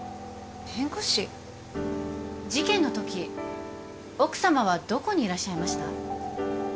弁護士？事件のとき奥さまはどこにいらっしゃいました？